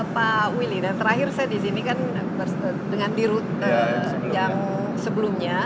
pak willy dan terakhir saya disini kan dengan di root yang sebelumnya